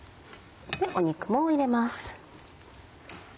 肉も入れます。